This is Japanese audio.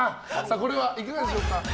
これはいかがでしょう。